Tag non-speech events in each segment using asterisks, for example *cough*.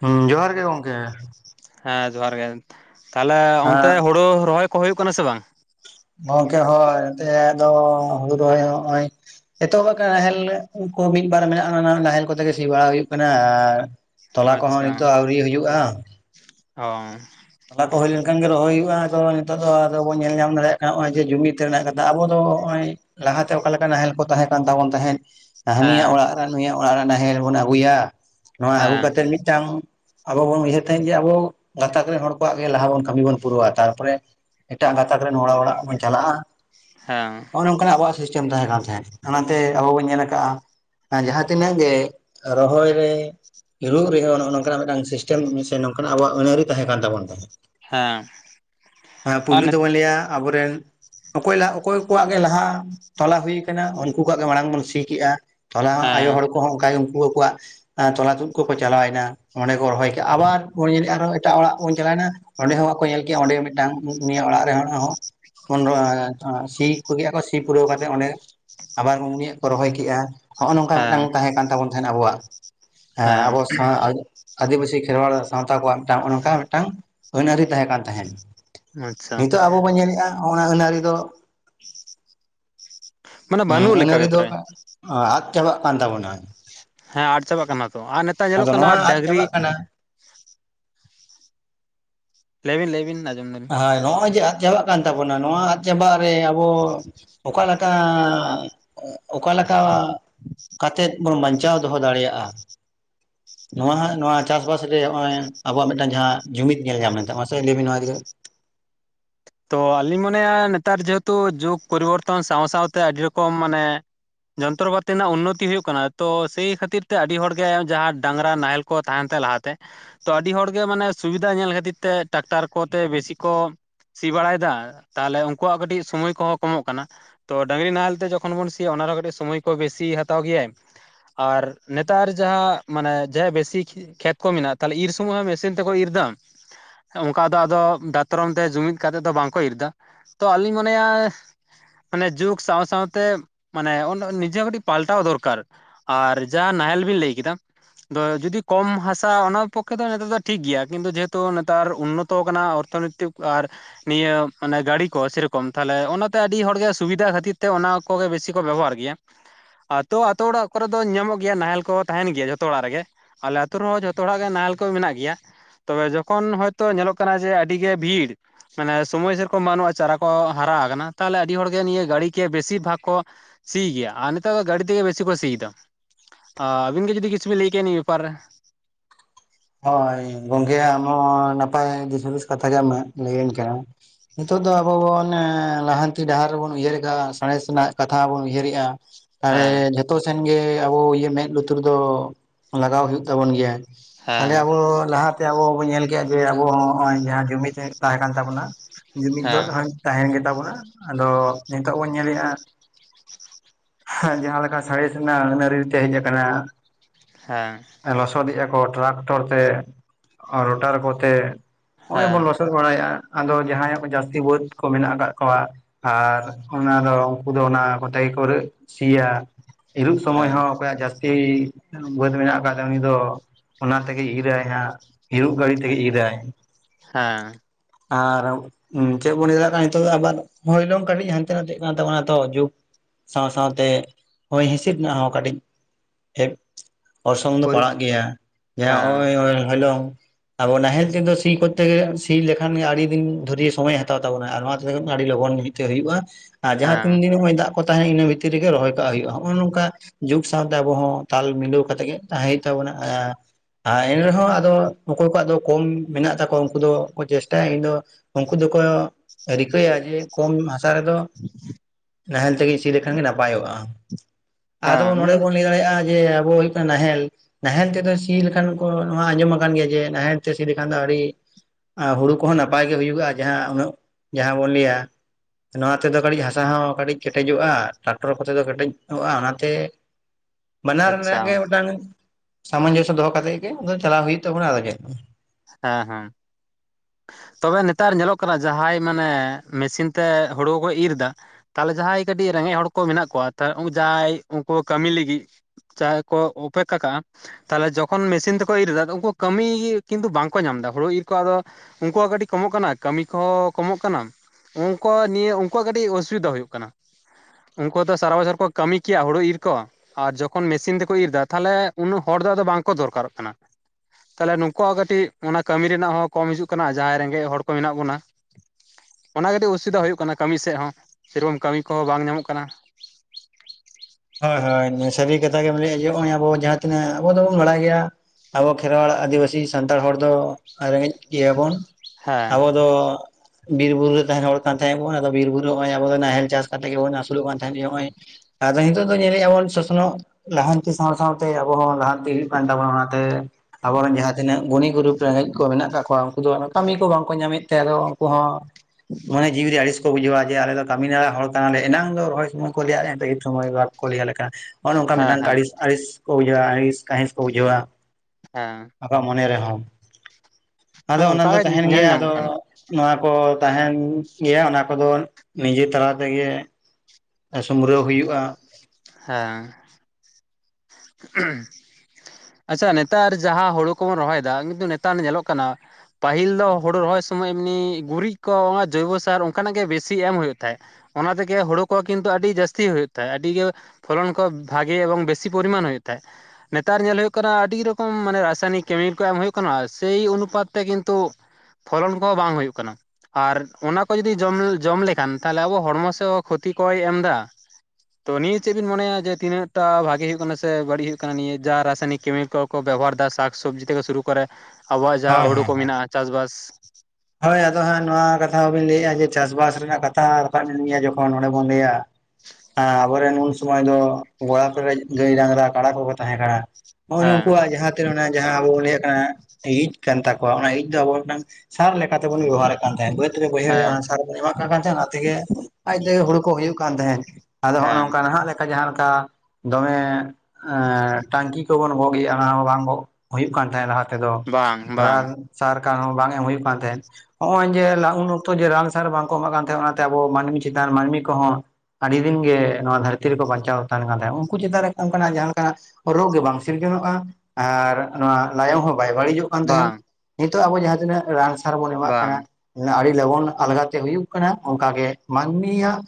ᱦᱩᱸ ᱡᱚᱦᱟᱨ ᱜᱮ ᱜᱚᱝᱠᱮ᱾ ᱦᱮᱸ ᱡᱚᱦᱟᱨ ᱜᱮ ᱛᱟᱦᱞᱮ ᱦᱮᱸ ᱚᱱᱛᱮ ᱦᱩᱲᱩ ᱨᱚᱦᱚᱭ ᱠᱚ ᱦᱩᱭᱩᱜ ᱠᱟᱱᱟ ᱥᱮ ᱵᱟᱝ? ᱜᱚᱝᱠᱮ ᱦᱚᱭ ᱮᱱᱛᱮᱜ ᱟᱫᱚ ᱦᱩᱲᱩ ᱨᱚᱦᱚᱭ ᱦᱚᱸ ᱱᱚᱜ-ᱚᱭᱼᱼ ᱮᱛᱚᱦᱚᱵ ᱟᱠᱟᱱᱟ ᱱᱟᱦᱮᱞ ᱩᱝ ᱠᱚ ᱢᱤᱫ ᱵᱟᱨ ᱢᱮᱱᱟᱜ-ᱟ ᱚᱱᱟ ᱱᱟᱦᱮᱞ ᱠᱚᱛᱮ ᱜᱮ ᱥᱤ ᱵᱟᱲᱟ ᱦᱩᱭᱩᱜ ᱠᱟᱱᱟ ᱟᱨᱼᱼ ᱛᱚᱞᱟ ᱠᱚᱦᱚᱸ ᱱᱤᱛᱚᱜ ᱟᱣᱨᱤ ᱦᱩᱭᱩᱜ-ᱟ᱾ ᱚᱸ᱾ ᱛᱚᱞᱟ ᱠᱚ ᱦᱩᱭ ᱞᱮᱱᱠᱷᱟᱱ ᱜᱮ ᱨᱚᱦᱚᱭ ᱦᱩᱭᱩᱜ-ᱟ ᱟᱫᱚ ᱱᱤᱛᱚᱜ ᱫᱚ ᱟᱫᱚ ᱵᱚᱱ ᱧᱮᱞ ᱧᱟᱢ ᱫᱟᱲᱮᱭᱟᱜ ᱠᱟᱱᱟ ᱱᱚᱸᱜ-ᱚᱭ ᱡᱮ ᱡᱩᱢᱤᱛ ᱨᱮᱱᱟᱜ ᱠᱟᱛᱷᱟ ᱟᱵᱚ ᱫᱚ ᱦᱚᱜ-ᱚᱭ ᱞᱟᱦᱟ ᱛᱮ ᱚᱠᱟ ᱞᱮᱠᱟ ᱱᱟᱦᱮᱞ ᱠᱚ ᱛᱟᱦᱮᱸ ᱠᱟᱱ ᱛᱟᱵᱚᱱ ᱛᱟᱦᱮᱸᱫ᱾ ᱦᱟᱹᱱᱤ ᱭᱟᱜ ᱦᱮᱸ ᱚᱲᱟᱜ ᱨᱮ ᱱᱩᱭᱟᱜ ᱚᱲᱟᱜ ᱨᱮ ᱱᱟᱦᱮᱞ ᱵᱚᱱ ᱟᱹᱜᱩᱭᱟ ᱱᱚᱣᱟ ᱟᱹᱜᱩ ᱦᱮᱸ ᱠᱟᱛᱮᱜ ᱢᱤᱫᱼᱼ ᱴᱟᱝ ᱟᱵᱚ ᱵᱚᱱ ᱩᱭᱦᱟᱹᱨ ᱛᱟᱦᱮᱸᱫ ᱡᱮ ᱟᱵᱚ ᱜᱟᱛᱟᱠ ᱨᱮᱱ ᱦᱚᱲᱼᱼ ᱠᱚᱣᱟᱜ ᱜᱮ ᱞᱟᱦᱟ ᱵᱚᱱ ᱠᱟᱢᱤ ᱵᱚᱱ ᱯᱩᱨᱟᱹᱣᱟ ᱛᱟᱨᱯᱚᱨᱮ ᱮᱴᱟᱜ ᱜᱷᱟᱛᱟᱠ ᱨᱮᱱ ᱦᱚᱲ‌ᱟᱜ ᱚᱲᱟᱜ ᱵᱚᱱ ᱪᱟᱞᱟᱜᱼᱟ‌ ᱦᱮᱸ᱾ ᱚᱱᱮ ᱚᱱᱠᱟ ᱱᱟᱜ ᱟᱵᱚᱣᱟᱜ ᱥᱤᱥᱴᱮᱢ ᱛᱟᱦᱮᱸ ᱠᱟᱱ ᱛᱮᱦᱮᱸᱜ ᱚᱱᱟᱛᱮ ᱟᱵᱚ ᱵᱚ ᱧᱮᱞ ᱟᱠᱟᱜ-ᱟᱼᱼ ᱡᱟᱦᱟᱸ ᱛᱤᱱᱟᱹᱜ ᱜᱮ ᱨᱚᱦᱚᱭ ᱨᱮᱼᱼ ᱤᱨᱩᱜ ᱨᱮᱦᱚᱸ ᱱᱚᱜ-ᱱᱚᱝᱠᱟ ᱱᱟᱜ ᱢᱤᱫᱴᱟᱝ ᱥᱤᱥᱴᱮᱢ ᱥᱮ ᱱᱚᱝᱠᱟ ᱱᱟᱜ ᱟᱵᱚᱣᱟᱜ ᱟᱹᱱ ᱟᱹᱨᱤ ᱛᱟᱦᱮᱸ ᱠᱟᱱ ᱛᱟᱵᱚᱱᱟ᱾ ᱦᱮᱸ ᱦᱮᱸ ᱟᱨ ᱯᱩᱭᱞᱩ ᱱᱤᱛ ᱫᱚᱵᱚᱱ ᱞᱟᱹᱭᱟ ᱟᱵᱚ ᱨᱮᱱᱼᱼ ᱚᱠᱚᱭ ᱞᱟᱦᱟᱜ-ᱟ ᱚᱠᱚᱭ ᱠᱚᱣᱟᱜ ᱜᱮ ᱞᱟᱦᱟᱜ-ᱟ ᱛᱚᱞᱟ ᱦᱩᱭ ᱠᱟᱱᱟ ᱩᱱᱠᱩ ᱠᱚᱣᱟᱜ ᱜᱮ ᱢᱟᱬᱟᱝ ᱵᱚᱱ ᱥᱤ ᱠᱮᱜ-ᱟ᱾ ᱛᱚᱞᱦᱮ ᱟᱭᱳ ᱦᱮᱸ ᱦᱚᱲ ᱠᱚᱦᱚᱸ ᱚᱱᱠᱟ ᱜᱮ ᱩᱱᱠᱩ ᱟᱠᱚᱣᱟᱜ ᱮᱸ ᱛᱚᱞᱟ ᱛᱩᱫ ᱠᱚᱠᱚ ᱪᱟᱞᱟᱣᱮᱱᱟ᱾ ᱚᱸᱰᱮ ᱠᱚ ᱨᱚᱦᱚᱭ ᱠᱟᱜ-ᱟ ᱟᱵᱟᱨ ᱮᱴᱟᱜ ᱚᱲᱟᱜ ᱵᱚᱱᱼᱼ ᱪᱟᱞᱟᱣᱮᱱᱟ ᱚᱸᱰᱮ ᱦᱚᱸ ᱠᱚ ᱧᱮᱞ ᱠᱮᱜ-ᱟ ᱚᱸᱰᱮ ᱢᱤᱫᱴᱟᱝ ᱩᱸ ᱩᱱᱤᱭᱟᱜ ᱚᱲᱟᱜ ᱨᱮ ᱦᱚᱲ ᱦᱚᱸᱼᱼ *unintelligible* ᱥᱤ ᱠᱮᱜ-ᱟ ᱠᱚ ᱥᱤ ᱯᱩᱨᱟᱹᱣ ᱠᱟᱛᱮᱜ ᱚᱸᱰᱮᱼᱼ ᱟᱵᱟᱨ ᱩᱱᱤᱭᱟᱜ ᱠᱚ ᱨᱚᱦᱚᱭ ᱠᱮᱜ-ᱟ᱾ ᱦᱚᱜ-ᱚ ᱱᱚᱝᱠᱟ ᱢᱤᱫᱴᱟᱝ ᱦᱮᱸ ᱛᱟᱦᱮᱸ ᱠᱟᱱ ᱛᱟᱵᱚᱱ ᱛᱟᱦᱮᱱᱟ ᱟᱵᱚᱣᱟᱜ ᱮᱸ ᱦᱮᱸ ᱟᱵᱚ ᱥᱟᱶ ᱟᱨ‌ ᱟᱹᱫᱤᱵᱟᱹᱥᱤ ᱠᱷᱮᱨᱣᱟᱲ ᱥᱟᱶᱛᱟ ᱠᱚᱣᱟᱜ ᱢᱤᱫᱴᱟᱝ ᱚᱱᱠᱟ ᱢᱤᱫᱴᱟᱱ ᱟᱹᱱ ᱟᱹᱨᱤ ᱛᱟᱦᱮᱸ ᱠᱟᱱ ᱛᱟᱦᱮᱸᱜ᱾ ᱟᱪᱪᱷᱟ᱾ ᱱᱚᱜ ᱚᱱᱟ ᱟᱹᱱ ᱟᱹᱨᱤ ᱫᱚ, ᱢᱟᱱᱮ ᱩᱸᱻ ᱵᱟᱹᱱᱩᱜ ᱟᱹᱱ ᱞᱮᱠᱟ ᱟᱹᱨᱤ ᱜᱮ ᱫᱚ ᱯᱨᱟᱭ ᱫᱚᱦᱚᱠᱟᱜᱼᱼ ᱟ ᱟᱫ ᱪᱟᱵᱟᱜ ᱠᱟᱱ ᱛᱟᱵᱚᱱᱟ᱾ ᱦᱮᱸ ᱟᱫ ᱪᱟᱵᱟᱜ ᱠᱟᱱᱟ ᱛᱚ ᱟᱨ ᱱᱮᱛᱟᱨ ᱧᱮᱞᱚᱜ ᱟᱫᱚ ᱠᱟᱱᱟ ᱱᱚᱣᱟ ᱟᱫ ᱰᱟᱹᱝᱨᱤᱼᱼ ᱪᱟᱵᱟᱜ ᱠᱟᱱᱟ ᱞᱟᱹᱭ ᱵᱤᱱ ᱞᱟᱹᱭ ᱵᱤᱱ ᱟᱸᱡᱚᱢ ᱫᱟᱞᱤᱧ᱾ ᱟᱭ ᱱᱚᱜ-ᱚᱭ ᱡᱮ ᱟᱫ ᱪᱟᱵᱟᱜ ᱠᱟᱱ ᱛᱟᱵᱚᱱᱟ ᱱᱚᱣᱟ ᱟᱫ ᱪᱟᱵᱟᱜ ᱨᱮ ᱟᱵᱚᱼᱼ ᱚᱠᱟ ᱞᱮᱠᱟᱸ ᱠᱚᱸᱜ ᱚᱠᱟ ᱞᱮᱠᱟ ᱠᱟᱛᱜᱮ ᱵᱚᱱ ᱵᱟᱧᱪᱟᱣ ᱫᱚᱦᱚ ᱫᱟᱲᱮᱭᱟᱜ-ᱟ᱾ *inaudible* ᱦᱚᱜ ᱚᱭ ᱱᱚᱣᱟ ᱪᱟᱥᱵᱟᱥ ᱨᱮ ᱦᱚᱸᱜᱼᱚᱭ ᱟᱵᱚᱣᱟᱜ ᱢᱤᱫᱴᱟᱝ ᱡᱟᱦᱟᱸ ᱡᱩᱢᱤᱫ ᱧᱮᱞ ᱧᱟᱢᱮᱱ ᱛᱟᱢᱟ‌ ᱢᱟᱥᱮ ᱞᱟᱹᱭ ᱵᱤᱱ ᱱᱚᱣᱟ ᱤᱫᱤ‌ ᱠᱟᱛᱮᱜ? ᱛᱚ ᱟᱹᱞᱤᱧ ᱢᱚᱱᱮᱭᱟ ᱱᱮᱛᱟᱨ ᱡᱮᱦᱮᱛᱩ ᱡᱩᱜᱽ ᱯᱚᱨᱤᱵᱚᱨᱛᱚᱱ ᱥᱟᱶ ᱥᱟᱶᱛᱮ ᱟᱹᱰᱤ ᱨᱚᱠᱚᱢ ᱢᱟᱱᱮ ᱡᱚᱱᱛᱨᱚ ᱯᱟᱛᱤ ᱱᱟᱜ ᱩᱱᱱᱚᱛᱤ ᱦᱩᱭᱩᱜ ᱠᱟᱱᱟ ᱛᱚ ᱥᱮᱭ ᱠᱷᱟᱹᱛᱤᱨ ᱛᱮ ᱟᱰᱤ ᱦᱚᱲ ᱜᱮ ᱡᱟᱦᱟᱸ ᱰᱟᱝᱨᱟ ᱱᱟᱦᱮᱞ ᱠᱚ ᱛᱟᱦᱮᱱ ᱛᱮ ᱞᱟᱦᱟᱛᱮ ᱛᱚ ᱟᱹᱰᱤ ᱦᱚᱲ ᱜᱮ ᱢᱟᱱᱮ ᱥᱩᱵᱤᱫᱟ ᱧᱮᱞ ᱠᱷᱟᱹᱛᱤᱨ ᱛᱮ ᱴᱟᱠᱴᱟᱨ ᱠᱚᱛᱮ ᱵᱮᱥᱤ ᱠᱚ ᱥᱤ ᱵᱟᱲᱟᱭᱫᱟ ᱛᱟᱦᱞᱮ ᱩᱝᱠᱩᱣᱟᱜ ᱠᱟᱹᱴᱤᱡ ᱥᱩᱢᱟᱹᱭ ᱠᱚᱦᱚᱸ ᱠᱚᱢᱚᱜ ᱠᱟᱱᱟ᱾ ᱛᱚ ᱰᱟᱝᱨᱤ ᱱᱟᱦᱮᱞ ᱛᱮ ᱡᱚᱠᱷᱚᱱ ᱵᱚᱱ ᱥᱤᱭᱟ ᱚᱱᱟ ᱨᱮᱦᱚᱸ ᱠᱟᱹᱴᱤᱡ ᱥᱚᱢᱚᱭ ᱠᱚ ᱵᱮᱥᱤ ᱦᱟᱛᱟᱣ ᱜᱮᱭᱟᱭ᱾ ᱟᱨ ᱱᱮᱛᱟᱨ ᱡᱟᱦᱟᱸ ᱢᱟᱱᱮ ᱡᱟᱭᱟᱜ ᱵᱮᱥᱤ ᱠᱷᱤ ᱠᱷᱮᱛ ᱠᱚ ᱢᱮᱱᱟᱜᱼᱟ ᱛᱟᱦᱞᱮ ᱤᱨ ᱥᱚᱢᱚᱭ ᱦᱚᱸ ᱢᱮᱥᱤᱱ ᱛᱮᱠᱚ ᱤᱨᱫᱟ ᱚᱝᱠᱟ ᱫᱚ ᱟᱫᱚ ᱫᱟᱛᱨᱚᱢ ᱛᱮ ᱡᱩᱢᱤᱫ ᱠᱟᱛᱮ ᱫᱚ ᱵᱟᱝ ᱠᱚ ᱤᱨᱫᱟ ᱛᱚ ᱟᱞᱤᱧ ᱢᱚᱱᱮᱭᱟ ᱢᱟᱱᱮ ᱡᱩᱜᱽ ᱥᱟᱶ ᱥᱟᱶᱛᱮ ᱢᱟᱱᱮ ᱚᱱᱮ ᱱᱤᱡᱮ ᱦᱚᱸ ᱠᱟᱹᱴᱤᱡ ᱯᱟᱞᱴᱟᱣ ᱫᱚᱨᱠᱟᱨ᱾ ᱟᱨ ᱡᱟ ᱱᱟᱦᱮᱞ ᱵᱤᱱ ᱞᱟᱹᱭ ᱠᱮᱫᱟ᱾ ᱫᱚ ᱡᱩᱫᱤ ᱠᱚᱢ ᱦᱟᱥᱟ ᱚᱱᱟ ᱯᱚᱠᱠᱷᱮ ᱫᱚ ᱱᱮᱛᱟᱨ ᱫᱚ ᱴᱷᱤᱠ ᱜᱮᱭᱟ ᱠᱤᱱᱛᱩ ᱡᱮᱦᱮᱛᱩ ᱱᱮᱛᱟᱨ ᱩᱱᱱᱚᱛᱚᱣ ᱠᱟᱱᱟ ᱚᱨᱛᱷᱚᱱᱤ ᱛᱤᱠ‌ ᱟᱨ ᱱᱤᱭᱟᱹ ᱢᱟᱱᱮ ᱜᱟᱲᱤ ᱠᱚ ᱥᱮ ᱨᱚᱠᱚᱢ ᱛᱟᱦᱞᱮ ᱚᱱᱟᱛᱮ ᱟᱹᱰᱤ ᱦᱚᱲᱜᱮ ᱥᱩᱵᱤᱫᱟ ᱠᱷᱟᱹᱛᱤᱨ ᱛᱮ ᱚᱱᱟ ᱠᱚᱜᱮ ᱵᱮᱥᱤ ᱠᱚ ᱵᱮᱵᱚᱦᱟᱨ ᱜᱮᱭᱟ᱾ ᱟᱛᱳ ᱟᱛᱳ ᱚᱲᱟᱜ ᱠᱚᱨᱮ ᱫᱚ ᱧᱮᱧᱟᱢᱚᱜ ᱜᱮᱭᱟ ᱱᱟᱦᱮᱞ ᱠᱚᱦᱚ ᱛᱟᱦᱮᱱ ᱜᱮᱭᱟ ᱡᱷᱚᱛᱚ ᱚᱲᱟᱜ ᱨᱮᱜᱮ᱾ ᱟᱞᱮ ᱟᱹᱛᱩ ᱨᱮᱦᱚᱸ ᱡᱷᱚᱛᱚ ᱦᱚᱲᱟᱜ ᱜᱮ ᱱᱟᱦᱮᱞ ᱠᱚ ᱢᱮᱱᱟᱜ ᱜᱮᱭᱟ᱾ ᱛᱚᱵᱮ ᱡᱚᱠᱷᱚᱱ ᱦᱚᱭᱛᱚ ᱧᱮᱞᱚᱜ ᱠᱟᱱᱟ ᱡᱮ ᱟᱹᱰᱤ ᱜᱮ ᱵᱷᱤᱲ ᱢᱟᱱᱮ ᱥᱚᱢᱚᱭ ᱥᱮᱨᱚᱠᱚᱢ ᱵᱟᱹᱱᱩᱜᱼᱟ ᱪᱟᱨᱟ ᱠᱚ ᱦᱟᱨᱟ ᱟᱠᱟᱱᱟ ᱛᱟᱦᱞᱮ ᱟᱹᱰᱤ ᱦᱚᱲᱜᱮ ᱱᱤᱭᱟᱹ ᱜᱟᱹᱲᱤ ᱠᱮ ᱵᱤᱥᱤᱨ ᱵᱷᱟᱜᱽ ᱠᱚ ᱥᱤ ᱜᱮᱭᱟ ᱟᱨ ᱱᱤᱛᱚᱜ ᱫᱚ ᱜᱟᱹᱰᱤ ᱛᱤᱜᱤ ᱵᱤᱥᱤ ᱠᱚ ᱥᱤᱭᱫᱟ᱾ ᱟ ᱟᱹᱵᱤᱱ ᱜᱤ ᱡᱚᱫᱤ ᱠᱤᱪᱷᱩ ᱵᱤᱱ ᱞᱟᱹᱭ ᱠᱮᱭᱟ ᱱᱤᱭᱟᱹ ᱵᱮᱯᱟᱨ ᱨᱮ᱾ ᱦᱚᱭ ᱜᱚᱝᱠᱮ ᱟᱢᱦᱚᱸ ᱱᱟᱯᱟᱭ ᱫᱤᱥᱦᱩᱫᱤᱥ ᱠᱟᱛᱷᱟ ᱜᱮ ᱢᱮ ᱞᱟᱹᱭᱟᱹᱧ ᱠᱟᱱᱟ᱾ ᱱᱤᱛᱚᱜ ᱫᱚ ᱟᱵᱚ ᱵᱚᱱ ᱮᱸ ᱞᱟᱦᱟᱱᱛᱤ ᱰᱟᱦᱟᱨ ᱨᱮᱵᱚᱱ ᱩᱭᱦᱟᱹᱨ ᱠᱟᱜᱼᱟ ᱥᱟᱬᱮᱥ ᱨᱮᱱᱟᱜ ᱠᱟᱛᱷᱟ ᱵᱚᱱ ᱩᱭᱦᱟᱹᱨᱮᱜᱼᱟ᱾ ᱛᱟᱦᱞᱮ ᱦᱮᱸ ᱡᱷᱚᱛᱚ ᱥᱮᱱᱜᱮ ᱟᱵᱚ ᱤᱭᱟᱹ ᱢᱮᱸᱫ ᱞᱩᱛᱩᱨ ᱫᱚ ᱞᱟᱜᱟᱣ ᱦᱩᱭᱩᱜ ᱛᱟᱵᱚᱱ ᱜᱮᱭᱟ᱾ ᱛᱟᱦᱞᱮ ᱦᱮᱸ ᱟᱵᱚ ᱞᱟᱦᱟᱛᱮ ᱟᱵᱚ ᱵᱚ ᱧᱮᱞ ᱠᱮᱜᱼᱟ ᱡᱮ ᱟᱵᱚ ᱦᱚᱸ ᱦᱚᱸᱜᱼᱚᱭ ᱡᱟᱦᱟᱸ ᱡᱩᱢᱤᱫ ᱛᱟᱦᱮᱸ ᱠᱟᱱ ᱛᱟᱵᱚᱱᱟ᱾ ᱡᱩᱢᱤᱫ ᱫᱚ ᱦᱮᱸ ᱛᱟᱦᱮᱸ ᱛᱟᱦᱮᱱ ᱜᱮ ᱛᱟᱵᱚᱱᱟ ᱟᱫᱚ ᱱᱤᱛᱚᱜ ᱵᱚᱱ ᱧᱮᱞᱮᱜᱼᱟ ᱦᱮᱸ ᱡᱟᱦᱟᱸ ᱞᱮᱠᱟ ᱥᱟᱬᱮᱥ ᱨᱮᱱᱟᱜ ᱟᱹᱱ ᱟᱹᱨᱤ ᱛᱮ ᱦᱮᱡ ᱟᱠᱟᱱᱟ ᱦᱮᱸ ᱞᱚᱥᱚᱫᱮᱜᱼᱟ ᱠᱚ ᱴᱨᱟᱠᱴᱚᱨ ᱛᱮ ᱨᱳᱴᱟᱨ ᱠᱚᱛᱮ ᱚᱸᱭ ᱵᱚᱱ ᱦᱮᱸ ᱞᱚᱥᱚᱫ ᱵᱟᱲᱟᱭᱟ ᱟᱫᱚ ᱡᱟᱦᱟᱸᱭ ᱡᱟᱹᱥᱛᱤ ᱵᱟᱹᱫᱽ ᱠᱚ ᱢᱮᱱᱟᱜ ᱠᱟᱜ ᱠᱚᱣᱟ ᱟᱨ ᱚᱱᱟ ᱫᱚ ᱩᱝᱠᱩ ᱫᱚ ᱚᱱᱟ ᱠᱚᱛᱮ ᱜᱮᱠᱚ ᱨᱟᱹᱜ ᱥᱤᱭᱟ᱾ ᱤᱨᱚᱜ ᱥᱚᱢᱚᱭ ᱦᱚᱸ ᱦᱮᱸ ᱚᱠᱚᱭᱟᱜ ᱡᱟᱹᱥᱛᱤ ᱵᱟᱹᱫ ᱢᱮᱱᱟᱜᱼᱟ ᱲᱟᱜ ᱠᱟᱹᱢᱤ ᱫᱚ ᱚᱱᱟ ᱛᱮᱜᱮᱭ ᱤᱨᱟᱭ ᱦᱟᱸᱜ᱾ ᱤᱨᱩᱜ ᱜᱟᱹᱲᱤ ᱛᱮ ᱤᱨᱟᱭ ᱦᱮᱸ ᱟᱨ ᱦᱩᱸ ᱪᱮᱜ ᱵᱚᱱ *unintelligible* ᱱᱤᱛᱚᱜ ᱫᱚ ᱟᱵᱟᱨ ᱦᱚᱭᱞᱚᱝ ᱠᱟᱹᱴᱤᱡ ᱦᱟᱱᱛᱮ ᱱᱟᱛᱮᱜ ᱠᱟᱱ ᱛᱟᱵᱚ ᱛᱚ ᱡᱩᱜᱽ ᱥᱟᱶ ᱥᱟᱶᱛᱮ ᱦᱚᱭ ᱦᱤᱸᱥᱤᱫᱽ ᱱᱟᱜ ᱦᱚᱸ ᱠᱟᱹᱴᱤᱡᱽ ᱮ ᱚᱨᱥᱚᱝ ᱫᱚ ᱯᱚᱨᱤ ᱯᱟᱲᱟᱜ ᱜᱮᱭᱟ ᱦᱮᱸ ᱦᱚᱸᱜᱼᱚᱭ ᱦᱚᱭᱞᱚᱝ ᱟᱵᱚ ᱱᱟᱦᱮᱞ ᱛᱮᱫᱚ ᱥᱤ ᱠᱚᱨᱛᱮ ᱜᱮ ᱥᱤ ᱞᱮᱠᱷᱟᱱ ᱜᱮ ᱟᱹᱰᱤ ᱫᱤᱱ ᱫᱷᱚᱨᱭᱮ ᱥᱚᱢᱚᱭᱮ ᱦᱟᱛᱟᱣ ᱛᱟᱵᱚᱱᱟ ᱟᱨ *unintelligible* ᱟᱹᱰᱤ ᱞᱚᱜᱚᱱ ᱛᱮ ᱦᱩᱭᱩᱜᱼᱟ ᱟ ᱡᱟᱦᱟᱸ ᱦᱮᱸ ᱛᱤᱱ ᱫᱤᱱ ᱦᱚᱭ ᱫᱟᱜ ᱠᱚ ᱛᱟᱦᱮᱸ ᱤᱱᱟᱹ ᱵᱷᱤᱛᱤᱨ ᱨᱮᱜᱮ ᱨᱚᱦᱚᱭ ᱠᱟᱜᱼᱟ ᱦᱩᱭᱩᱜᱼᱟ ᱦᱚᱜᱼᱚ ᱱᱚᱝᱠᱟ ᱡᱩᱜᱽ ᱥᱟᱶᱛᱮ ᱟᱵᱚ ᱦᱚᱸ ᱛᱟᱞ ᱢᱤᱞᱟᱹᱣ ᱠᱟᱛᱮᱜ ᱜᱮ ᱛᱟᱦᱮᱸ ᱦᱩᱭᱩᱜ ᱛᱟᱵᱚᱱᱟ ᱮᱸ ᱟ ᱮᱱᱨᱮᱦᱚᱸ ᱟᱫᱚ ᱚᱠᱚᱣ ᱠᱚᱣᱟᱜ ᱫᱚ ᱠᱚᱢ ᱢᱮᱱᱟᱜ ᱛᱟᱠᱚᱣᱟ ᱩᱝᱠᱩ ᱫᱚ ᱠᱚ ᱪᱮᱥᱴᱟᱭᱟ ᱤᱧᱫᱚ ᱩᱝᱠᱩ ᱫᱚᱠᱚ ᱨᱤᱠᱟᱹᱭᱟ ᱡᱮ ᱠᱚᱢ ᱦᱟᱥᱟ ᱨᱮᱫᱚ ᱱᱟᱦᱮᱞ ᱛᱮᱜᱮ ᱥᱤ ᱞᱮᱠᱷᱟᱱ ᱜᱮ ᱱᱟᱯᱟᱭᱚᱜᱼᱟ ᱟᱫᱚ ᱦᱮᱸ ᱱᱚᱸᱰᱮ ᱢᱟᱱᱮ ᱵᱚᱱ ᱞᱟᱹᱭ ᱫᱟᱲᱮᱜᱼᱟ ᱡᱮ ᱟᱵᱚ ᱦᱩᱭᱩᱜ ᱠᱟ ᱱᱟ ᱦᱮᱞ ᱱᱟᱦᱮᱞ ᱛᱮᱫᱚ ᱥᱤ ᱞᱮᱠᱷᱟᱱ ᱠᱚ ᱱᱚᱣᱟ ᱟᱸᱡᱚᱢ ᱠᱟᱱ ᱜᱮᱭᱟ ᱡᱮ ᱱᱟᱦᱮᱞ ᱛᱮ ᱥᱤ ᱞᱮᱠᱷᱟᱱ ᱫᱚ ᱟᱹᱰᱤ ᱟ ᱦᱩᱲᱩ ᱠᱚᱦᱚᱸ ᱱᱟᱯᱟᱭ ᱜᱮ ᱦᱩᱭᱩᱜᱼᱟ ᱡᱟᱦᱟᱸ ᱩᱱᱟᱹᱜ ᱡᱟᱦᱟᱸ ᱵᱚᱱ ᱞᱟᱹᱭᱟ ᱱᱚᱣᱟ ᱛᱮᱫᱚ ᱠᱟᱹᱴᱤᱡ ᱦᱟᱥᱟ ᱦᱚᱸ ᱠᱟᱹᱴᱤᱡ ᱠᱮᱴᱮᱡᱚᱜᱼᱟ ᱴᱨᱟᱠᱴᱚᱨ ᱠᱚᱛᱮ ᱫᱚ ᱠᱮᱴᱮᱡᱚᱜᱼᱟ ᱚᱱᱟᱛᱮ *inaudible* ᱵᱟᱱᱟᱨ ᱟᱪᱪᱷᱟ ᱨᱮᱱᱟᱜ ᱜᱮ ᱢᱤᱫᱴᱟᱝ ᱥᱟᱢᱚᱡᱚᱥᱥᱚ ᱫᱚᱦᱚ ᱠᱟᱛᱮᱫ ᱜᱮ ᱪᱟᱞᱟᱣ ᱦᱩᱭᱩᱜ ᱛᱟᱵᱚᱱᱟ ᱟᱨᱚ ᱪᱮᱫ᱾ ᱦᱮᱸ ᱦᱮᱸ᱾ ᱛᱚᱵᱮ ᱱᱮᱛᱟᱨ ᱧᱮᱞᱚᱜ ᱠᱟᱱᱟ ᱡᱟᱦᱟᱸᱭ ᱢᱟᱱᱮ ᱢᱮᱥᱤᱱ ᱛᱮ ᱦᱩᱲᱩᱠᱚ ᱤᱨ ᱫᱟ᱾ ᱛᱟᱦᱚᱞᱮ ᱡᱟᱦᱟᱸᱭ ᱠᱟᱹᱴᱤᱡ ᱨᱮᱸᱜᱮᱡ ᱦᱚᱲ ᱠᱚ ᱢᱮᱱᱟᱜ ᱠᱚᱣᱟ ᱛᱟᱦᱞᱮ ᱩᱝᱠᱩ ᱡᱟᱦᱟᱸᱭ ᱩᱱᱠᱩ ᱠᱟᱹᱢᱤ ᱞᱟᱹᱜᱤᱫ᱾ ᱡᱟᱦᱟᱸᱭ ᱠᱚ ᱚᱯᱮᱠ ᱟᱠᱟᱼᱟ᱾ ᱛᱟᱦᱞᱮ ᱡᱚᱠᱷᱚᱱ ᱢᱮᱥᱤᱱ ᱛᱮᱠᱚ ᱤᱨ ᱫᱟ ᱩᱱᱠᱩ ᱠᱟᱹᱢᱤ ᱜᱤ ᱠᱤᱱᱛᱩ ᱵᱟᱝᱠᱚ ᱧᱟᱢ ᱮᱫᱟ ᱦᱩᱲᱩ ᱤᱨ ᱠᱚ ᱫᱚ᱾ ᱩᱱᱠᱩᱣᱟᱜ ᱠᱟᱹᱴᱤᱡ ᱠᱚᱢᱚᱜ ᱠᱟᱱᱟ ᱠᱟᱹᱢᱤ ᱠᱚᱦᱚᱸ ᱠᱚᱢᱚᱜ ᱠᱟᱱᱟ᱾ ᱩᱝᱠᱩ ᱱᱤᱭᱟᱹ ᱩᱝᱠᱩᱣᱟᱜ ᱠᱟᱹᱴᱤᱡ ᱚᱥᱩᱵᱤᱫᱟ ᱦᱩᱭᱩᱜ ᱠᱟᱱᱟ᱾ ᱩᱝᱠᱩ ᱫᱚ ᱥᱟᱨᱟ ᱵᱚᱪᱷᱚᱨ ᱠᱚ ᱠᱟᱹᱢᱤ ᱠᱮᱭᱟ ᱦᱩᱲᱩ ᱤᱨ ᱠᱚ᱾ ᱟᱨ ᱡᱚᱠᱷᱚᱱ ᱢᱮᱥᱤᱱ ᱛᱮᱠᱚ ᱤᱨ ᱮᱫᱟ ᱛᱟᱦᱞᱮ ᱩᱱᱟᱹᱜ ᱦᱚᱲ ᱫᱚ ᱟᱫᱚ ᱵᱟᱝᱠᱚ ᱫᱚᱨᱠᱟᱨᱚᱜ ᱠᱟᱱᱟ᱾ ᱛᱟᱦᱚᱞᱮ ᱱᱩᱠᱩᱣᱟᱜ ᱠᱟᱹᱴᱤᱡ ᱚᱱᱟ ᱠᱟᱹᱢᱤ ᱨᱮᱱᱟᱜ ᱦᱚᱸ ᱠᱚᱢ ᱦᱤᱡᱩᱜ ᱠᱟᱱᱟ ᱡᱟᱦᱟᱸᱭ ᱨᱮᱸᱜᱮᱡᱽ ᱦᱚᱲ ᱠᱚ ᱢᱮᱱᱟᱜ ᱵᱚᱱᱟ᱾ ᱚᱱᱟ ᱠᱟᱹᱴᱤᱡ ᱚᱥᱩᱵᱤᱫᱟ ᱦᱩᱭᱩᱜ ᱠᱟᱱᱟ ᱠᱟᱹᱢᱤ ᱥᱮᱫ ᱦᱚᱸ ᱥᱮᱨᱚᱠᱚᱢ ᱠᱟᱹᱢᱤ ᱠᱚᱦᱚᱸ ᱵᱟᱝ ᱧᱟᱢᱚᱜ ᱠᱟᱱᱟ᱾ ᱦᱳᱭ ᱦᱳᱭ ᱥᱟᱹᱨᱤ ᱠᱟᱛᱷᱟ ᱜᱮᱢ ᱞᱟᱹᱭ ᱱᱚᱭ ᱟᱵᱚ ᱡᱟᱦᱟᱸ ᱛᱤᱱᱟᱹᱜ ᱟᱵᱚ ᱫᱚᱵᱚᱱ ᱵᱟᱲᱟᱭ ᱜᱮᱭᱟ ᱟᱵᱚ ᱠᱷᱮᱨᱣᱟᱞ ᱟᱹᱫᱤᱵᱟᱹᱥᱤ ᱥᱟᱱᱛᱟᱲ ᱦᱚᱲ ᱫᱚ ᱨᱮᱸᱜᱮᱡᱽ ᱜᱮᱭᱟ ᱵᱚᱱ ᱦᱮᱸ ᱟᱵᱚ ᱫᱚ ᱵᱤᱨ ᱵᱩᱨᱩ ᱨᱮ ᱛᱟᱦᱮᱱ ᱦᱚᱲ ᱠᱟᱱ ᱛᱟᱦᱮᱸᱜ ᱵᱚᱱᱟ ᱵᱤᱨ ᱵᱩᱨᱩ ᱱᱚᱭ ᱟᱵᱚ ᱱᱟᱦᱮᱞ ᱪᱟᱥ ᱠᱟᱛᱮ ᱜᱮ ᱵᱚᱱ ᱟᱹᱥᱩᱞᱚᱜ ᱠᱟᱱ ᱛᱟᱦᱮᱸᱫ ᱱᱚᱭ ᱟᱫᱚ ᱱᱤᱛᱚᱜ ᱫᱚ ᱧᱮᱞᱮᱜ ᱟ ᱵᱚᱱ ᱥᱚᱥᱱᱚᱜ ᱞᱟᱦᱟᱱᱛᱤ ᱥᱟᱶ ᱥᱟᱶᱛᱮ ᱟᱵᱚ ᱦᱚᱸ ᱞᱟᱦᱟᱱᱛᱤ ᱦᱩᱭᱩᱜ ᱠᱟᱱ ᱛᱟᱵᱚᱱᱟ ᱚᱱᱟᱛᱮ ᱟᱵᱚᱨᱮᱱ ᱡᱟᱦᱟᱸ ᱛᱤᱱᱟᱹᱜ ᱜᱩᱱᱤ ᱜᱩᱨᱩᱤ ᱨᱮᱸᱜᱮᱡ ᱠᱚ ᱢᱮᱱᱟᱜ ᱟᱠᱟᱫ ᱠᱚᱣᱟ ᱩᱱᱠᱩ ᱫᱚ ᱠᱟᱹᱢᱤ ᱠᱚ ᱵᱟᱝᱠᱚ ᱧᱟᱢᱮᱫ ᱛᱮ ᱟᱫᱚ ᱩᱱᱠᱩ ᱦᱚᱸ ᱢᱚᱱᱮ ᱡᱤᱣᱤ ᱨᱮ ᱟᱹᱲᱤᱥ ᱵᱩᱡᱷᱟᱹᱣᱟ ᱡᱮ ᱟᱞᱮ ᱫᱚ ᱠᱟᱹᱢᱤ ᱱᱟ ᱦᱚᱲ ᱠᱟᱱᱟᱞᱮ ᱮᱱᱟᱝ ᱫᱚ ᱨᱚᱦᱚᱭ ᱥᱚᱢᱚᱭ ᱠᱚ ᱞᱟᱹᱭᱟᱞᱮ ᱤᱨ ᱥᱚᱢᱚᱭ ᱵᱟ ᱠᱚ ᱞᱟᱹᱭᱟᱞᱮ ᱠᱟᱱᱟ᱾ ᱦᱚᱸᱜ ᱱᱚᱝᱠᱟ ᱦᱮᱸ ᱢᱤᱫᱴᱟᱱ ᱦᱮᱸ ᱠᱟᱹᱲᱤᱥ ᱟᱹᱲᱤᱥ ᱠᱚ ᱵᱩᱡᱷᱟᱹᱣᱟ ᱟᱹᱲᱤᱥ ᱠᱟᱹᱦᱥ ᱠᱚ ᱵᱩᱡᱷᱟᱹᱣᱟ᱾ ᱟᱠᱚᱣᱟᱜ ᱢᱚᱱᱮ ᱨᱮᱦᱚᱸ ᱟᱫᱚ ᱦᱮᱸ ᱚᱱᱟ ᱚᱱᱠᱟ ᱫᱚ ᱜᱮ ᱛᱟᱦᱮᱱ ᱧᱮᱞ ᱜᱮᱭᱟ ᱧᱟᱢᱚᱜ ᱠᱟᱱᱟ ᱟᱫᱚ ᱱᱚᱣᱟ ᱠᱚ ᱛᱟᱦᱮᱱ ᱜᱮᱭᱟ ᱚᱱᱟ ᱠᱚᱫᱚ ᱱᱤᱡᱮ ᱛᱟᱞᱟ ᱛᱮᱜᱮ ᱥᱩᱢᱨᱟᱹ ᱦᱩᱭᱩᱜᱼᱟ᱾ ᱦᱮᱸ᱾ ᱟᱪᱪᱷᱟ ᱱᱮᱛᱟᱨ ᱡᱟᱦᱟᱸ ᱦᱩᱲᱩ ᱠᱚᱵᱚᱱ ᱨᱚᱦᱚᱭ ᱫᱟ ᱠᱤᱱᱛᱩ ᱱᱮᱛᱟᱨ ᱧᱮᱞᱚᱜ ᱠᱟᱱᱟ ᱯᱟᱹᱦᱤᱞ ᱫᱚ ᱦᱩᱲᱩ ᱨᱚᱦᱚᱭ ᱥᱚᱢᱚᱭ ᱮᱢᱱᱤ ᱜᱩᱨᱤᱡ ᱠᱚ ᱡᱚᱭᱵᱚᱥᱟᱨ ᱚᱱᱠᱟᱱᱟᱜ ᱜᱮ ᱵᱮᱥᱤ ᱮᱢ ᱦᱩᱭᱩᱜ ᱛᱟᱦᱮᱸᱫ᱾ ᱚᱱᱟ ᱛᱮᱜᱮ ᱦᱩᱲᱩ ᱠᱚ ᱠᱤᱱᱛᱩ ᱟᱹᱰᱤ ᱡᱟᱹᱥᱛᱤ ᱦᱩᱭᱩᱜ ᱛᱟᱭᱟ ᱟᱹᱰᱤ ᱜᱮ ᱯᱷᱚᱞᱚᱱ ᱠᱚ ᱵᱷᱟᱜᱤ ᱮᱵᱚᱝ ᱵᱮᱥᱤ ᱯᱚᱨᱢᱟᱱ ᱦᱩᱭᱩᱜ ᱛᱟᱦᱮ ᱾ ᱱᱮᱛᱟᱨ ᱧᱮᱞ ᱦᱩᱭᱩᱜ ᱠᱟᱱᱟ ᱟᱹᱰᱤ ᱨᱚᱠᱚᱢ ᱢᱟᱱᱮ ᱨᱟᱥᱟᱭᱱᱤᱠ ᱠᱮᱢᱤᱠᱮᱞ ᱠᱚ ᱮᱢ ᱦᱩᱭᱩᱜ ᱠᱟᱱᱟ ᱥᱮᱭ ᱚᱱᱩᱯᱟᱛ ᱛᱮ ᱠᱤᱱᱛᱩ ᱯᱷᱚᱞᱚᱱ ᱠᱚᱦᱚᱸ ᱵᱟᱝ ᱦᱩᱭᱩᱜ ᱠᱟᱱᱟ᱾ ᱟᱨ ᱚᱱᱟ ᱠᱚ ᱡᱩᱫᱤ ᱡᱚᱢ ᱡᱚᱢ ᱞᱮᱠᱷᱟᱱ ᱛᱟᱦᱚᱞᱮ ᱟᱵᱚ ᱦᱚᱲᱢᱚ ᱥᱮᱮᱫ ᱠᱷᱚᱛᱤ ᱠᱚᱭ ᱮᱢ ᱮᱫᱟ᱾ ᱛᱚ ᱱᱤᱭᱟᱹ ᱪᱮᱫ ᱵᱱ ᱢᱚᱱᱭᱟ ᱡᱮ ᱛᱤᱱᱟᱹᱜ ᱴ ᱵᱷᱟᱜᱮ ᱦᱩᱭᱩᱜᱭᱳᱜ ᱠᱟᱱᱟ? ᱦᱩᱭᱩᱜ ᱠᱟᱱᱟ ᱥᱮ ᱵᱟᱹᱲᱤᱡ ᱦᱩᱭᱩᱜ ᱠᱟᱱᱟ ᱱᱤᱭᱟᱹ ᱡᱟ ᱨᱟᱥᱟᱭᱚᱱᱤᱠ ᱠᱮᱢᱤᱠᱮᱞ ᱠᱚ ᱵᱮᱵᱟᱨᱫᱟ ᱥᱟᱠ ᱥᱚᱵᱽᱡᱤᱷᱠᱚ ᱥᱩᱨᱩ ᱠᱚᱨᱮ ᱟᱵᱚᱣᱟᱜ ᱡᱟᱦᱟᱸ ᱦᱳᱭ ᱦᱩᱲᱩ ᱦᱳᱭ ᱠᱚ ᱦᱳᱭ ᱢᱮᱱᱟᱜᱼᱟ ᱪᱟᱥᱵᱟᱥ᱾ ᱦᱳᱭ ᱟᱫᱚ ᱦᱟᱸᱜ ᱱᱚᱣᱟ ᱠᱟᱛᱷᱟ ᱦᱚᱸᱵᱮᱱ ᱞᱟᱹᱭᱮᱫᱼᱟ ᱡᱮ ᱪᱟᱥᱵᱟᱥ ᱨᱮᱱᱟᱜ ᱠᱟᱛᱷᱟ ᱨᱟᱠᱟᱵ ᱢᱮᱱᱟᱜ ᱜᱮᱭᱟ ᱡᱚᱠᱷᱚᱱ ᱱᱚᱸᱰᱮ ᱵᱚᱱ ᱞᱟᱹᱭᱟ᱾ ᱟᱵᱚᱨᱮᱱ ᱩᱱ ᱥᱩᱚᱢᱚᱭ ᱫᱚ ᱜᱚᱲ ᱯᱮᱨᱮᱡ ᱜᱟᱹᱭ ᱰᱟᱝᱨᱟ ᱠᱟᱰᱟ ᱠᱚᱠᱚ ᱛᱟᱦᱮᱸ ᱠᱟᱱᱟ᱾ ᱱᱚᱜᱼᱚᱭ ᱦᱮᱸ ᱩᱱᱩᱠᱩᱣᱟᱜ ᱡᱟᱦᱟᱸ ᱛᱮ ᱡᱟᱦᱟᱸ ᱟᱵᱚ ᱵᱚᱱ ᱞᱟᱹᱭᱭᱟᱜ ᱠᱟᱱᱟ ᱤᱡ ᱠᱟᱱ ᱛᱟᱠᱚᱣᱟ ᱚᱱᱟ ᱤᱡ ᱫᱚ ᱟᱵᱚ ᱢᱤᱫᱴᱟᱝ ᱥᱟᱨ ᱞᱮᱠᱟᱛᱮᱵᱚᱱ ᱵᱮᱵᱚᱦᱟᱨᱮᱫ ᱠᱟᱱ ᱛᱟᱦᱮᱸᱫ ᱵᱟᱹᱭᱫ ᱨᱮ ᱵᱟᱹᱭᱦᱟᱹᱲ ᱨᱮ ᱦᱮᱸ ᱚᱱᱟ ᱥᱟᱨ ᱵᱚᱱ ᱮᱢᱟᱜ ᱠᱟᱜ ᱠᱟᱱ ᱛᱟᱦᱮᱸᱫ ᱚᱱᱟ ᱛᱮᱜᱮ ᱟᱡᱛᱮᱜᱮ ᱦᱩᱲᱩ ᱠᱚ ᱦᱩᱭᱩᱜ ᱠᱟᱱ ᱛᱟᱦᱮᱸᱫ ᱟᱫᱚ ᱱᱚᱜᱼᱚ ᱦᱮᱸ ᱱᱚᱝᱠᱟ ᱱᱟᱦᱟᱜ ᱞᱮᱠᱟ ᱡᱟᱦᱟᱸ ᱞᱮᱠᱟ ᱫᱚᱢᱮ ᱴᱟᱝᱠᱤ ᱠᱚᱵᱚᱱ ᱜᱚᱜ ᱮᱼᱟ ᱚᱱᱟᱦ ᱵᱟᱝ ᱦᱩᱭᱩᱜ ᱠᱟᱱ ᱛᱟᱦᱮᱸᱫ ᱞᱟᱦᱟ ᱛᱮᱫᱚ ᱵᱟᱝ ᱨᱟᱱ ᱵᱟᱝ ᱥᱟᱨᱠᱟᱨ ᱦᱚᱸ ᱵᱟᱝ ᱮᱢ ᱦᱩᱭᱩᱜ ᱠᱟᱱ ᱛᱟᱦᱮᱸᱫ᱾ ᱱᱚᱜᱼᱚᱭ ᱡᱮ ᱩᱱ ᱚᱠᱛᱚ ᱡᱮ ᱨᱟᱱ ᱥᱟᱨ ᱵᱟᱝᱠᱚ ᱮᱢᱟᱜ ᱠᱟᱱ ᱛᱟᱦᱮᱸᱱᱟ ᱚᱱᱟᱛᱮ ᱟᱵᱚ ᱢᱟᱹᱱᱢᱤ ᱪᱮᱛᱟᱱ ᱢᱟᱹᱱᱢᱤ ᱠᱚᱦᱚᱸ ᱟᱹᱰᱤ ᱫᱤᱱ ᱜᱮ ᱱᱚᱣᱟ ᱫᱷᱟᱹᱨᱛᱤ ᱨᱮᱠᱚ ᱵᱟᱧᱪᱟᱣ ᱛᱟᱦᱮᱱ ᱠᱟᱱ ᱛᱟᱦᱮᱸᱫ ᱩᱱᱠᱩ ᱪᱮᱛᱟᱱ ᱨᱮ ᱚᱱᱠᱟᱱᱟᱜ ᱡᱟᱦᱟᱸ ᱞᱮᱠᱟᱱᱟᱜ ᱨᱳᱜ ᱜᱮ ᱵᱟᱝ ᱥᱤᱨᱡᱚᱱᱚᱜᱼᱟ ᱟᱨ ᱱᱚᱣᱟ ᱞᱟᱭᱚᱝ ᱦᱚᱸ ᱵᱟᱭ ᱵᱟᱹᱲᱤᱡᱚᱜ ᱠᱟᱱᱟ᱾ ᱛᱟᱦᱮᱸᱱ ᱵᱟᱝ ᱱᱤᱛᱚᱜ ᱟᱵᱚ ᱡᱟᱦᱟᱸ ᱛᱤᱱᱟᱹᱜ ᱨᱟᱱ ᱥᱟᱨ ᱵᱚᱱ ᱮᱢᱟᱜ ᱵᱟᱝ ᱠᱟᱱᱟ ᱟᱹᱰᱤ ᱞᱚᱜᱚᱱ ᱟᱞᱜᱟᱛᱮ ᱦᱩᱭᱩᱜ ᱠᱟᱱᱟ ᱚᱱᱠᱟᱜ ᱜᱮ ᱢᱟᱹᱱᱢᱤᱭᱟᱜ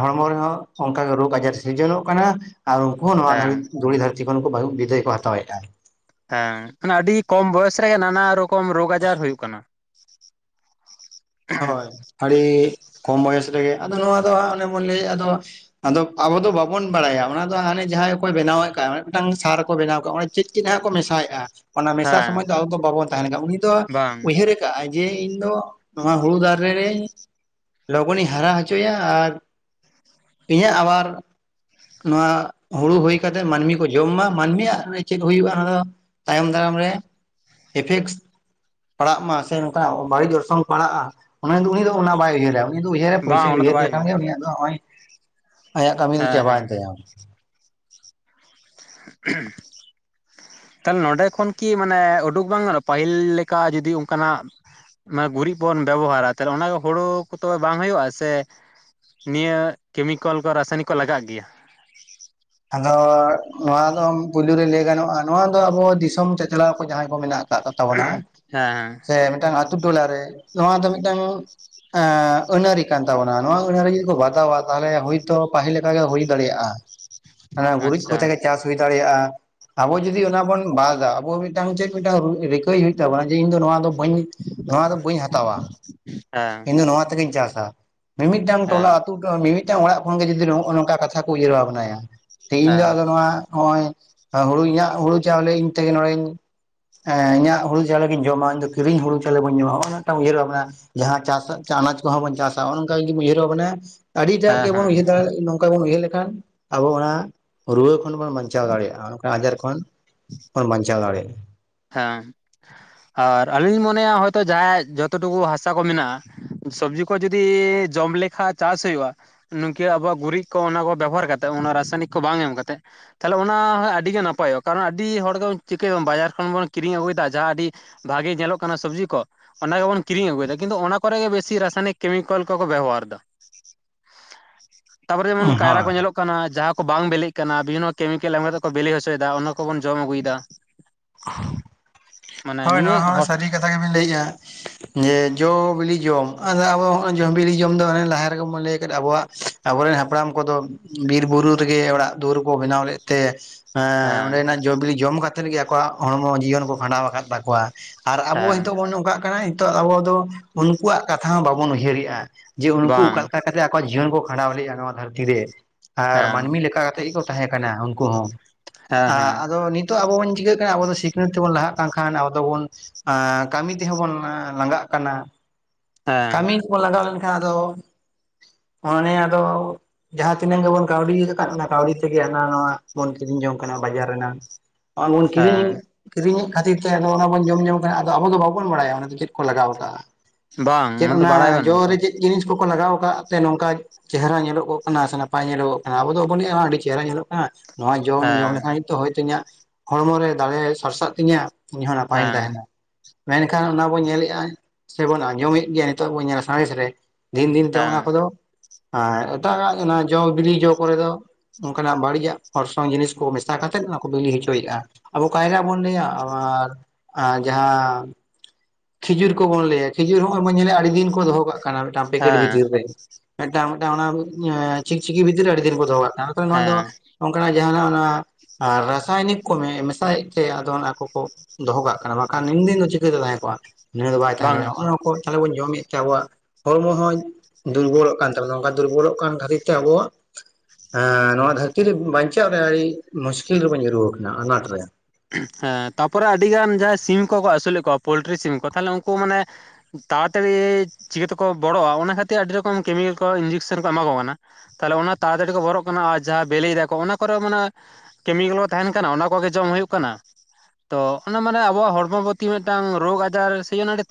ᱦᱚᱲᱢᱚ ᱨᱮᱦᱚᱸ ᱚᱱᱠᱟᱜᱮ ᱨᱳᱜᱽ ᱟᱡᱟᱨ ᱥᱤᱨᱡᱚᱱᱚᱜ ᱠᱟᱱᱟ ᱟᱨ ᱩᱱᱦ ᱱᱚᱣᱟ ᱦᱮᱸ ᱫᱷᱩᱲᱤ ᱫᱷᱟᱹᱨᱛᱤ ᱠᱷᱚᱱ ᱵᱤᱫᱟᱹᱭ ᱠᱚ ᱦᱟᱛᱟᱣᱮᱫᱼᱟ᱾ ᱦᱮᱸ ᱢᱟᱱᱮ ᱟᱹᱰᱤ ᱠᱚᱢ ᱵᱚᱭᱚᱥ ᱨᱮ ᱱᱟᱱᱟ ᱨᱚᱠᱚᱢ ᱨᱳᱜᱽ ᱟᱡᱟᱨ ᱦᱩᱭᱩᱜ ᱠᱟᱱᱟ᱾ ᱦᱳᱭ ᱟᱹᱰᱤ ᱠᱚᱢ ᱵᱚᱭᱮᱥ ᱨᱮᱜᱮ ᱟᱫᱚ ᱱᱚᱣᱟ ᱫᱚ ᱦᱟᱸᱜ ᱚᱱᱮ ᱵᱚᱱ ᱞᱟᱹᱭᱮᱫ ᱟᱫᱚ ᱟᱫᱚ ᱟᱵᱚ ᱫᱚ ᱵᱟᱵᱚᱱ ᱵᱟᱲᱟᱭᱟ ᱚᱱᱟ ᱫᱚ ᱦᱟᱱᱮ ᱡᱟᱦᱟᱸᱭ ᱠᱚᱭ ᱵᱮᱱᱟᱣᱮᱫ ᱠᱟᱱᱣᱟ ᱢᱤᱫᱴᱟᱝ ᱥᱟᱨ ᱨᱮ ᱠᱚ ᱵᱮᱱᱟᱣ ᱟᱠᱟᱫᱼᱟ ᱚᱱ ᱪᱮᱫ ᱪᱮᱫ ᱦᱟᱜ ᱠᱚ ᱢᱮᱥᱟᱣᱮᱫᱼᱟ᱾ ᱚᱱᱟ ᱢᱮᱥᱟ ᱥᱚᱢᱚᱭ ᱦᱮᱸ ᱫᱚ ᱟᱵᱚ ᱫᱚ ᱵᱟᱵᱚᱱ ᱛᱟᱦᱮᱱ ᱠᱟᱱᱟ ᱩᱱᱤ ᱫᱚ ᱵᱟᱝ ᱩᱭᱦᱟᱹᱨ ᱠᱟᱜ ᱟᱭ ᱡᱮ ᱤᱧ ᱫᱚ ᱱᱚᱣᱟ ᱦᱩᱲᱩ ᱫᱟᱨᱮ ᱨᱮ ᱞᱚᱜᱚᱱᱤᱧ ᱦᱟᱨᱟ ᱦᱚᱪᱚᱭᱟ ᱟᱨ ᱤᱧᱟᱹᱜ ᱟᱵᱟᱨ ᱱᱚᱣᱟ ᱦᱩᱲᱩ ᱦᱩᱭ ᱠᱟᱛᱮᱜ ᱢᱟᱹᱱᱢᱤ ᱠᱚ ᱡᱚᱢ ᱢᱟ ᱢᱟᱹᱱᱢᱤᱭᱟᱜ ᱪᱮᱫ ᱦᱩᱭᱩᱜᱼᱟ ᱚᱱᱟ ᱫᱚ ᱛᱟᱭᱚᱢ ᱫᱟᱨᱟᱢ ᱨᱮ ᱤᱯᱷᱮᱠᱴᱥ *unintelligible* ᱯᱟᱲᱟᱜ ᱢᱟ ᱥᱮ ᱱᱚᱝᱠᱟ ᱵᱟᱹᱲᱤᱡ ᱡᱚᱨᱥᱚᱝ ᱯᱟᱲᱟᱜᱼᱟ ᱫᱚ ᱩᱱᱤ ᱫᱚ ᱚᱱᱟ ᱵᱟᱭ ᱩᱭᱦᱟᱹᱨᱟ ᱩᱱᱤ ᱫᱚ ᱩᱭᱦᱟᱹᱨᱟ ᱵᱟᱝ ᱯᱚᱭᱥᱟᱭ ᱚᱱᱟ ᱫᱚ ᱩᱭᱦᱟᱹᱨ ᱵᱟᱭ ᱞᱮᱠᱷᱟᱱ ᱜᱮ ᱦᱩᱭᱩᱜᱼᱟ ᱩᱱᱤᱭᱟᱜ ᱫᱚ ᱱᱚᱜᱼᱚᱭ ᱟᱭᱟᱜ ᱠᱟᱹᱢᱤ ᱫᱚ ᱦᱮᱸ ᱪᱟᱵᱟᱭᱮᱱ ᱦᱮᱸ ᱛᱟᱭᱟ᱾ ᱦ *inaudible* ᱛᱟᱦᱚᱞᱮ ᱱᱚᱸᱰᱮ ᱠᱷᱚᱱ ᱠᱤ ᱢᱟᱱᱮ ᱩᱰᱩᱠ ᱵᱟᱝ ᱜᱟᱱᱚᱜᱼᱟ ᱯᱟᱹᱦᱤᱞ ᱞᱮᱠᱟ ᱡᱩᱫᱤ ᱚᱱᱠᱟᱱᱟᱜ ᱜᱩᱨᱤᱡ ᱵᱚᱱ ᱵᱮᱵᱚᱦᱟᱨᱟ ᱛᱟᱦᱞᱮ ᱚᱱᱟ ᱦᱩᱲᱩ ᱠᱚᱫᱚ ᱵᱟᱝ ᱦᱩᱭᱩᱜᱼᱟ ᱥᱮ ᱱᱤᱭᱟᱹ ᱠᱮᱢᱤᱠᱮᱞ ᱠᱚ ᱨᱟᱥᱟᱭᱱᱤᱠ ᱠᱚ ᱞᱟᱜᱟᱜ ᱜᱮᱭᱟ᱾ ᱟᱫᱚ ᱱᱚᱣᱟ ᱫᱚ ᱯᱩᱭᱭᱞᱩ ᱨᱮ ᱞᱟᱹᱭ ᱜᱟᱱᱚᱜᱼᱟ ᱱᱚᱣᱟ ᱫᱚ ᱟᱵᱚ ᱫᱤᱥᱚᱢ ᱪᱟᱪᱞᱟᱣ ᱠᱚ ᱡᱟᱦᱟᱸᱭ ᱠᱚ ᱢᱮᱱᱟᱜ ᱠᱚᱣᱟ᱾ ᱠᱟᱜᱛᱟᱵᱚᱱᱟ ᱦᱮᱸ ᱥᱮ ᱢᱤᱫᱴᱟᱝ ᱟᱛᱳ ᱴᱚᱚᱞᱟᱨᱮ ᱱᱚᱣᱟ ᱫᱚ ᱢᱤᱫᱴᱟᱝ ᱟᱹᱱ ᱟᱹᱨᱤᱤ ᱠᱟᱱ ᱛᱟᱵᱚᱱᱟ ᱱᱚᱣᱟ ᱟᱹᱱ ᱟᱹᱱᱟᱹᱨᱤ ᱡᱩᱫᱤ ᱠᱚ ᱵᱟᱛᱟᱣᱟ ᱛᱟᱦᱚᱞᱮ ᱦᱳᱭᱛᱳ ᱯᱟᱹᱤᱞ ᱞᱮᱠᱟᱜ ᱜᱮ ᱦᱩᱭ ᱫᱟᱲᱮᱭᱟᱜᱼᱟ᱾ *inaudible* ᱦᱮᱸ ᱜᱩᱨᱤᱡ ᱟᱪᱪᱷᱟ ᱠᱚᱛᱮ ᱜᱮ ᱪᱟᱥ ᱦᱩᱭ ᱫᱟᱲᱮᱭᱟᱜᱼᱟ ᱟᱵᱚ ᱡᱩᱫᱤ ᱚᱱᱟ ᱵᱚᱱ ᱵᱟᱫᱟ ᱟᱵᱚ ᱢᱤᱫᱴᱟᱝ ᱪᱮᱫ ᱢᱤᱫᱴᱟᱝ ᱨᱤᱠᱟᱹᱭ ᱦᱩᱭᱩᱜ ᱛᱟᱵᱚᱱᱟ ᱡᱮ ᱤᱧ ᱫᱚ ᱱᱚᱣᱟ ᱫᱚ ᱵᱟᱹᱧ ᱱᱚᱣᱟ ᱫᱚ ᱵᱟᱹᱧ ᱦᱟᱛᱟᱣᱟ ᱦᱮᱸ ᱤᱧ ᱫᱚ ᱱᱚᱣᱟ ᱛᱮᱜᱤᱧ ᱪᱟᱥᱟ ᱢᱤᱢᱤᱫᱴᱟᱝ ᱴᱚᱞᱟ ᱦᱮᱸ ᱢᱤᱢᱴᱟᱝ ᱚᱲᱟᱜ ᱠᱷᱚᱱ ᱜᱮ ᱡᱩᱫᱤ ᱱᱚᱜᱚᱭ ᱱᱚᱝᱠᱟ ᱠᱟᱛᱷᱟ ᱠᱚ ᱩᱭᱦᱟᱹᱨᱟ ᱵᱷᱟᱵᱱᱟᱭᱟ ᱾ ᱛᱤᱦᱤᱧ ᱫᱚ ᱦᱮᱸ ᱟᱫᱚ ᱱᱚᱣᱟ ᱱᱚᱜᱼᱚᱭ ᱦᱩᱲᱩ ᱤᱧᱟᱹᱜ ᱦᱩᱲᱩ ᱪᱟᱣᱞᱮ ᱤᱧ ᱛᱮᱜᱮ ᱱᱚᱜᱚᱭ ᱮᱸ ᱤᱧᱟᱜ ᱦᱩᱲᱩ ᱪᱟᱣᱞᱮᱧ ᱡᱚᱢᱟ ᱤᱧ ᱠᱤᱨᱤ ᱦᱩᱲᱩ ᱪᱟᱣᱞᱮᱧ ᱫᱚ ᱵᱟᱹᱧ ᱡᱚᱢᱟ ᱚᱱᱟ ᱢᱤᱫᱴᱟᱝ ᱩᱭᱦᱟᱹᱨᱟ ᱵᱷᱟᱵᱱᱟ᱾ ᱡᱟᱦᱟᱸ ᱪᱟᱥ ᱟᱱᱟᱡ ᱠᱚᱦᱚᱸ ᱵᱚᱱ ᱪᱟᱥᱟ ᱚᱱᱚ ᱱᱚᱝᱠᱟ ᱡᱩᱫᱤ ᱩᱭᱦᱟᱹᱨ ᱵᱷᱟᱵᱱᱟ ᱭᱟ᱾ ᱟᱹᱰᱤᱴᱟᱜ ᱦᱮᱸ ᱜᱮᱵᱚᱱ ᱦᱮᱸ ᱩᱭᱦᱟᱹᱨ ᱫᱟᱲᱮ ᱱᱚᱝᱠᱟ ᱵᱚᱱ ᱩᱭᱦᱟᱹᱨ ᱞᱮᱠᱷᱟᱱ ᱟᱵᱚ ᱚᱱᱟ ᱨᱩᱣᱟᱹ ᱠᱷᱚᱱ ᱵᱚᱱ ᱵᱟᱧᱪᱟᱣ ᱫᱟᱲᱮᱭᱟᱜᱼᱟ ᱚᱱᱠᱟ ᱟᱡᱟᱨ ᱠᱷᱚᱱ ᱵᱚᱱ ᱵᱟᱧᱪᱟᱣ ᱫᱟᱲᱮᱭᱟᱜᱼᱟ᱾ ᱦᱮᱸ ᱟᱨ ᱟᱹᱞᱤᱧ ᱞᱤᱧ ᱢᱚᱱᱮᱭᱟ ᱦᱚᱭᱛᱚ ᱡᱟᱦᱟᱸᱭᱟᱜ ᱡᱚᱛ ᱴᱩᱠᱩ ᱦᱟᱥᱟ ᱠᱚ ᱢᱮᱱᱟᱜᱼᱟ᱾ ᱥᱚᱵᱽᱡᱤ ᱠᱚ ᱡᱩᱫᱤ ᱡᱚᱢ ᱞᱮᱠᱦᱟᱡ ᱪᱟᱥ ᱦᱩᱭᱩᱜᱼᱟ᱾ ᱱᱩᱝᱠᱟᱹ ᱟᱵᱚᱣᱟᱜ ᱜᱩᱨᱤᱡ ᱠᱚ ᱚᱱᱟ ᱠᱚ ᱵᱮᱵᱚᱦᱟᱨ ᱠᱟᱛᱮᱫ ᱚᱱᱟ ᱨᱟᱥᱟᱭᱚᱱᱤᱠ ᱠᱚ ᱵᱟᱝ ᱮᱢ ᱠᱟᱛᱮᱫ᱾ ᱛᱟᱦᱚᱞᱮ ᱚᱱᱟ ᱟᱹᱰᱤᱜᱮ ᱱᱟᱯᱟᱭᱚᱜᱼᱟ ᱠᱟᱨᱚᱱ ᱟᱹᱰᱤ ᱦᱚᱲ ᱫᱚ ᱪᱤᱠᱟᱹᱭᱟ ᱵᱚᱱ ᱵᱟᱡᱟᱨ ᱠᱷᱚᱱ ᱵᱚᱱ ᱠᱤᱨᱤᱧ ᱟᱹᱜᱩᱭᱮᱫᱟ ᱡᱟᱦᱟᱸ ᱟᱹᱰᱤ ᱵᱷᱟᱜᱤ ᱧᱮᱞᱚᱜ ᱠᱟᱱᱟ ᱥᱚᱵᱡᱤ ᱠᱚ᱾ ᱚᱱᱟ ᱜᱮᱵᱚᱱ ᱠᱤᱨᱤᱧ ᱟᱹᱜᱩᱭᱮᱫᱟ ᱠᱤᱱᱛᱩ ᱚᱱᱟ ᱠᱚᱨᱮ ᱜᱮ ᱵᱮᱥᱤ ᱨᱟᱥᱟᱭᱚᱱᱤᱠ ᱠᱮᱢᱤᱠᱮᱞ ᱠᱚᱠᱚ ᱵᱮᱵᱚᱦᱟᱨ *unintelligible* ᱮᱫᱟ᱾ *unintelligible* ᱛᱟᱨᱯᱚᱨᱮ ᱡᱮᱢᱚᱱ ᱠᱟᱭᱨᱟ ᱦᱳᱭ ᱠᱚ ᱧᱮᱞᱚᱜ ᱠᱟᱱᱟ᱾ ᱠᱟᱱᱟ ᱡᱟᱦᱟᱸ ᱠᱚ ᱵᱟᱝ ᱵᱮᱞᱮᱜ ᱠᱟᱱᱟ ᱵᱤᱵᱷᱤᱱᱱᱚ *unintelligible* ᱠᱮᱢᱤᱠᱮᱞ ᱮᱢ ᱠᱟᱛᱮ ᱠᱚ ᱵᱮᱞᱮ ᱦᱚᱪᱚᱭᱫᱟ ᱚᱱᱟ ᱠᱚᱵᱚᱱ ᱡᱚᱢ ᱟᱹᱜᱩᱭ ᱫᱟ᱾ ᱦᱳᱭ ᱱᱤᱭᱟᱹ ᱱᱚᱣᱟ ᱦᱚᱸ ᱦᱚᱲ ᱥᱟᱹᱨᱤ ᱠᱟᱛᱷᱟ ᱜᱮᱵᱤᱱ ᱞᱟᱹᱭᱮᱜᱼᱟ᱾ ᱡᱮ ᱡᱚ ᱵᱤᱞᱤ ᱡᱚᱢ ᱟᱫᱚ ᱟᱵᱚ ᱡᱚ ᱵᱤᱞᱤ ᱡᱚᱢ ᱫᱚ ᱚᱱᱮ ᱞᱟᱦᱟ ᱨᱮᱜᱮ ᱵᱚᱱ ᱞᱟᱹᱭ ᱟᱠᱟᱫ ᱟᱵᱚᱣᱟᱜ ᱟᱵᱚᱨᱮᱱ ᱦᱟᱯᱲᱟᱢ ᱠᱚᱫᱚ ᱵᱤᱨ ᱵᱩᱨᱩ ᱨᱮᱜᱮ ᱚᱲᱟᱜ ᱫᱩᱣᱟᱹᱨ ᱠᱚ ᱵᱮᱱᱟᱣ ᱞᱮᱫ ᱛᱮ ᱦᱮᱸ ᱚᱸᱰᱮᱱᱟᱜ ᱡᱚᱼᱵᱤᱞᱤ ᱡᱚᱢ ᱠᱟᱛᱮᱫ ᱜᱮ ᱟᱠᱚᱣᱟᱜ ᱦᱚᱲᱢᱚ ᱡᱤᱭᱚᱱ ᱠᱚ ᱠᱷᱟᱸᱰᱟᱣ ᱟᱠᱟᱫ ᱛᱟᱠᱚᱣᱟ ᱾ ᱟᱨ ᱟᱵᱚ ᱦᱮᱸ ᱦᱤᱛᱚᱜ ᱵᱚᱱ ᱱᱚᱝ ᱠᱟᱜ ᱠᱟᱱᱟ ᱱᱤᱛᱚᱜ ᱟᱵᱚ ᱫᱚ ᱩᱱᱠᱩᱣᱟᱜ ᱠᱟᱛᱷᱟ ᱦᱚᱸ ᱵᱟᱵᱚᱱ ᱩᱭᱦᱟᱹᱨᱮᱜᱼᱟ ᱾ ᱡᱮ ᱩᱱᱠᱩ ᱵᱟᱝ ᱚᱠᱟ ᱞᱮᱠᱟ ᱠᱟᱛᱮ ᱟᱠᱚᱣᱟᱜ ᱡᱤᱭᱚᱱ ᱠᱚ ᱠᱷᱟᱸᱰᱟᱣ ᱞᱮᱜᱼᱟ ᱱᱚᱣᱟ ᱫᱷᱟᱹᱨᱛᱤ ᱨᱮ ᱟᱨ ᱦᱮᱸ ᱢᱟᱹᱱᱢᱤ ᱞᱮᱠᱟ ᱠᱟᱛᱮᱜ ᱜᱮ ᱠᱚ ᱛᱟᱦᱮᱸ ᱠᱟᱱᱟ ᱩᱱᱠᱩ ᱦᱚᱸ ᱾ ᱦᱮᱸ ᱦᱮᱸ ᱟ-ᱟᱫᱚ ᱱᱤᱛᱚᱜ ᱟᱵᱚ ᱵᱚᱱ ᱪᱤᱠᱟᱹᱜ ᱠᱟᱱᱟ ᱟᱵᱚ ᱫᱚ ᱥᱤᱠᱷᱱᱟᱹᱛ ᱛᱮ ᱵᱚᱱ ᱞᱟᱦᱟᱜ ᱠᱟᱱ ᱠᱷᱟᱱ ᱟᱵᱚ ᱫᱚ ᱵᱚᱱ ᱟᱸᱻ ᱠᱟᱢᱤ ᱛᱮᱦᱚᱸ ᱵᱚᱱ ᱞᱟᱸᱜᱟᱜ ᱠᱟᱱᱟ ᱾ ᱦᱮᱸ ᱠᱟᱢᱤ ᱠᱚ ᱞᱟᱝᱜᱟᱣ ᱞᱮᱱᱠᱷᱟᱱ ᱟᱫᱚ ᱚᱱᱮᱱᱮ ᱟᱫᱚ ᱡᱟᱦᱟᱸ ᱛᱤᱱᱟᱹᱜ ᱜᱮᱵᱚᱱ ᱠᱟᱹᱣᱰᱤ ᱟᱠᱟᱫ ᱚᱱᱟ ᱠᱟᱹᱣᱰᱤ ᱛᱮᱜᱮ ᱦᱟᱱᱟ ᱱᱟᱣᱟ ᱵᱚᱱ ᱠᱤᱨᱤᱧ ᱡᱚᱝ ᱠᱟᱱᱟ ᱵᱟᱡᱟᱨ ᱨᱮᱱᱟᱜ ᱾ ᱵᱟᱝ ᱵᱚᱱ ᱠᱤᱨᱤᱧ ᱦᱮᱸ ᱠᱤᱨᱤᱧᱮᱫ ᱠᱷᱟᱹᱛᱤᱨ ᱛᱮ ᱟᱫᱚ ᱚᱱᱟ ᱵᱚᱱ ᱡᱚᱢᱡᱚᱝ ᱠᱟᱱᱟ, ᱟᱫᱚ ᱟᱵᱚ ᱫᱚ ᱵᱟᱵᱚᱱ ᱵᱟᱲᱟᱭᱟ ᱚᱱᱟ ᱫᱚ ᱪᱮᱫ ᱠᱚ ᱞᱟᱜᱟᱣ ᱠᱟᱜᱼᱟ? ᱵᱟᱝ ᱪᱮᱫ ᱫᱚ ᱚᱱᱟ ᱵᱟᱲᱟᱭ ᱡᱚ ᱵᱟᱹᱱᱩᱜᱼᱟ ᱛᱚ ᱨᱮ ᱪᱮᱫ ᱡᱤᱱᱤᱥ ᱠᱚᱠᱚ ᱞᱟᱜᱟᱣ ᱠᱟᱜ ᱛᱮ ᱱᱚᱝᱠᱟ ᱪᱮᱦᱨᱟ ᱧᱮᱞᱚᱜᱚᱜ ᱠᱟᱱᱟ ᱥᱮ ᱱᱟᱯᱟᱭ ᱧᱮᱞᱚᱜᱚᱜ ᱠᱟᱱᱟ ᱟᱵᱚ ᱫᱚᱵᱚᱱ ᱞᱟᱹᱭ ᱮᱜᱼᱟ ᱟᱹᱰᱤ ᱪᱮᱦᱨᱟ ᱧᱮᱞᱚᱜ ᱠᱟᱱᱟ ᱱᱚᱣᱟ ᱡᱚᱧ ᱡᱚᱢ ᱦᱮᱸ ᱞᱮᱠᱷᱟᱱ ᱠᱤᱱᱛᱩ ᱦᱚᱭᱛᱳ ᱤᱧᱟᱹᱜ ᱦᱚᱲᱢᱚ ᱨᱮ ᱫᱟᱲᱮ ᱥᱟᱨᱥᱟᱜ ᱛᱤᱧᱟᱹ, ᱤᱧᱦᱚᱸ ᱱᱟᱯᱟᱭᱤᱧ ᱦᱮᱸ ᱛᱟᱦᱮᱱᱟ, ᱢᱮᱱᱠᱷᱟᱱ ᱚᱱᱟ ᱵᱚᱱ ᱧᱮᱞᱮᱜᱼᱟ ᱥᱮᱵᱚᱱ ᱟᱡᱚᱢᱮᱜ ᱜᱮᱭᱟ ᱱᱤᱛᱚᱜ ᱵᱚᱱ ᱧᱮᱞᱟ ᱥᱟᱸᱬᱮᱥ ᱨᱮ ᱫᱤᱱ ᱫᱤᱱ ᱛᱮ ᱦᱮᱸ ᱦᱚᱜᱼᱚᱱᱟ ᱠᱚᱫᱚ ᱟᱨ ᱮᱴᱟᱜᱟᱜ ᱚᱱᱟ ᱡᱚ ᱵᱤᱞᱤ ᱡᱚ ᱠᱚᱨᱮ ᱫᱚ ᱚᱝᱠᱟᱱᱟᱜ ᱵᱟᱹᱲᱤᱡᱟᱜ ᱚᱨᱥᱚᱝ ᱡᱤᱱᱤᱥ ᱠᱚ ᱢᱮᱥᱟ ᱠᱟᱛᱮᱫ ᱚᱱᱟ ᱠᱚ ᱵᱤᱞᱤ ᱦᱚᱪᱚᱭᱮᱜᱼᱟ ᱾ ᱟᱵᱚ ᱠᱟᱭᱨᱟ ᱵᱚᱱ ᱞᱟᱹᱭᱟ ᱟᱨ ᱟ ᱡᱟᱦᱟᱸ ᱠᱷᱤᱡᱩᱨ ᱠᱚᱵᱚᱱ ᱞᱟᱹᱭᱟ ᱠᱷᱤᱡᱩᱨ ᱦᱚᱸᱜᱼᱚᱭ ᱵᱚᱱ ᱧᱮᱞᱮᱫ-ᱟ ᱟᱹᱲᱤ ᱫᱤᱱ ᱠᱚ ᱫᱚᱦᱚ ᱠᱟᱜ ᱠᱟᱱᱟ ᱢᱤᱫᱴᱟᱝ ᱯᱮᱠᱮᱴ ᱦᱮᱸ ᱵᱷᱤᱛᱤᱨ ᱨᱮ, ᱢᱤᱫᱴᱟᱝ ᱢᱤᱫᱴᱟᱝ ᱚᱱᱟ ᱪᱤᱠᱪᱤᱠᱤ ᱵᱷᱤᱛᱤᱨ ᱨᱮ ᱟᱹᱰᱤ ᱫᱤᱱ ᱠᱚ ᱫᱚᱦᱚ ᱠᱟᱜ ᱟᱫᱚ ᱱᱚᱣᱟ ᱫᱚ ᱦᱮᱸ ᱱᱚᱝᱠᱟᱱᱟᱜ ᱡᱟᱦᱟᱱᱟᱜ ᱚᱱᱟ ᱨᱟᱥᱟᱭᱚᱱᱤᱠ ᱠᱚ ᱢᱮ-ᱢᱮᱥᱟᱭᱮᱫ ᱛᱮ ᱟᱫᱚ ᱚᱱᱟ ᱠᱚ ᱠᱚ ᱫᱚᱦᱚ ᱠᱟᱜ ᱠᱟᱱᱟ, ᱵᱟᱠᱷᱟᱱ ᱱᱤᱱᱫᱤᱱ ᱫᱚ ᱪᱤᱠᱟᱹᱛᱮ ᱛᱟᱦᱮᱸ ᱠᱚᱜᱼᱟ? ᱱᱤᱭᱟᱹ ᱫᱚ ᱵᱟᱭ ᱛᱟᱦᱮᱸ ᱵᱟᱝ ᱫᱟᱲᱮᱭᱟᱜᱼᱟ ᱾ ᱱᱚᱜᱼᱚᱭ ᱱᱚᱣᱟ ᱠᱚ ᱛᱟᱦᱚᱞᱮ ᱵᱚᱱ ᱡᱚᱢᱮᱫ ᱛᱮ ᱟᱵᱚᱣᱟᱜ ᱦᱚᱲᱢᱚ ᱦᱚᱡ ᱫᱩᱨᱵᱚᱞᱚᱜ ᱠᱟᱱ ᱛᱟᱵᱚᱱᱟ, ᱱᱚᱝᱠᱟ ᱫᱩᱨᱵᱚᱞᱚᱜ ᱠᱟᱱ ᱠᱷᱟᱹᱛᱤᱨ ᱛᱮ ᱟᱵᱚᱣᱟᱜ ᱦᱮᱸ ᱱᱚᱣᱟ ᱫᱷᱟᱹᱨᱛᱤ ᱨᱮ ᱵᱟᱧᱪᱟᱜ ᱨᱮ ᱟᱹᱰᱤ ᱢᱩᱥᱠᱤᱞ ᱨᱮᱵᱚᱱ ᱧᱩᱨᱩ ᱜᱚᱫᱱᱟ ᱟᱱᱟᱴ ᱨᱮ ᱾ ᱦᱮᱸ ᱛᱟᱯᱚᱨᱮ ᱟᱹᱰᱤᱜᱟᱱ ᱡᱟᱦᱟᱸᱭ ᱥᱤᱢ ᱠᱚᱠᱚ ᱟᱹᱥᱩᱞᱮᱫ ᱠᱚᱣᱟ ᱯᱳᱞᱴᱨᱤ ᱥᱤᱢ ᱠᱚ ᱛᱟᱦᱚᱞᱮ ᱩᱱᱠᱩ ᱢᱟᱱᱮ ᱛᱟᱲᱟᱛᱟᱲᱤ ᱪᱤᱠᱟᱹ ᱛᱮᱠᱚ ᱵᱚᱲᱚᱜᱼᱟ ᱚᱱᱟ ᱠᱷᱟᱹᱛᱤᱨ ᱟᱹᱰᱤ ᱨᱚᱠᱚᱢ ᱠᱮᱢᱤᱠᱮᱞ ᱠᱚ ᱤᱧᱡᱮᱠᱥᱮᱱ ᱠᱚ ᱮᱢᱟ ᱠᱚ ᱠᱟᱱᱟ ᱾ ᱛᱟᱦᱚᱞᱮ ᱚᱱᱟ ᱛᱟᱲᱟᱛᱟᱲᱤ ᱠᱚ ᱵᱚᱨᱚᱜ ᱠᱟᱱᱟ ᱟᱨ ᱡᱟᱦᱟᱸ ᱵᱮᱞᱮᱭ ᱫᱟᱠᱚ ᱚᱱᱟ ᱠᱚᱨᱮ ᱦᱚᱸ ᱢᱟᱱᱮ ᱠᱮᱢᱤᱠᱮᱞ ᱠᱚ ᱛᱟᱦᱮᱱ ᱠᱟᱱᱟ ᱚᱱᱟ ᱠᱚᱜᱮ ᱡᱚᱢ ᱦᱩᱭᱩᱜ ᱠᱟᱱᱟ ᱾ ᱛᱚ ᱚᱱᱟ ᱢᱟᱱᱮ ᱟᱵᱚᱣᱟᱜ ᱦᱚᱲᱢᱚ ᱯᱨᱚᱛᱤ ᱢᱤᱫᱴᱟᱝ ᱨᱳᱜᱽ ᱟᱡᱟᱨ ᱥᱮ ᱡᱳᱱᱱᱳ ᱟᱹᱰᱤ ᱛᱟ